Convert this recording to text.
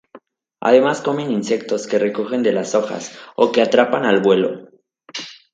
Además comen insectos que recogen de las hojas o que atrapan al vuelo.